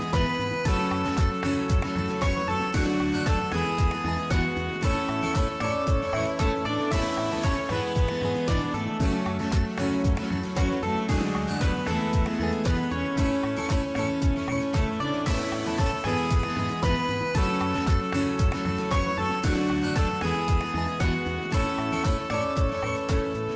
จับตาเตือนไพรออกลังมาสวัสดีครับ